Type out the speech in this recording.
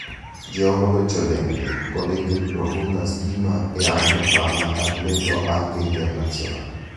Geologo eccellente, godette di profonda stima e ampia fama a livello anche internazionale.